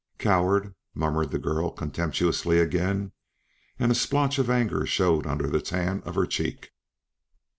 "Coward!" murmured the girl contemptuously again, and a splotch of anger showed under the tan of her cheek.